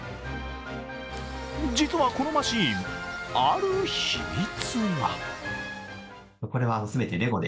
実はこのマシーン、ある秘密が。